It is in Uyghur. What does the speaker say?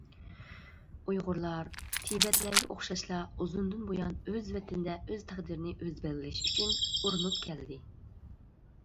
ئۇيغۇرلار تىبەتلەرگە ئوخشاشلا ئۇزۇندىن بۇيان ئۆز ۋەتىنىدە ئۆز تەقدىرىنى ئۆزى بەلگىلەش ئۈچۈن ئۇرۇنۇپ كەلدى.